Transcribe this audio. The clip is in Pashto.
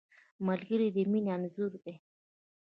ملګری د مینې انځور دی